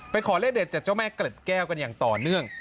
ขอเลขเด็ดจากเจ้าแม่เกล็ดแก้วกันอย่างต่อเนื่อง